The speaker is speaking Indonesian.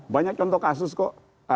banyak contoh kasus kok